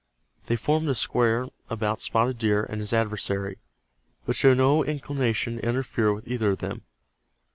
They formed a square about Spotted Deer and his adversary, but showed no inclination to interfere with either of them.